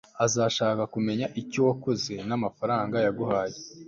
Azashaka kumenya icyo wakoze namafaranga yaguhaye